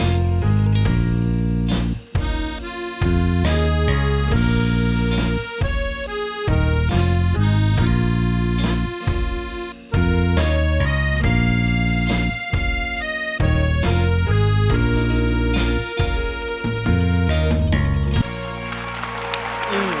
ดีนะครับใดสำคัญอีกละนะ